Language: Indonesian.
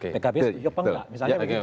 pkb itu juga penggal